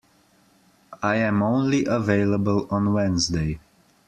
I am only available on Wednesday.